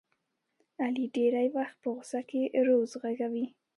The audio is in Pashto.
علي ډېری وخت په غوسه کې روض غږوي.